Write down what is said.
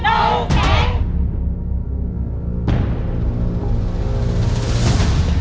ถูก